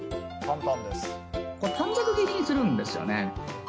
これ、短冊切りにするんですよね。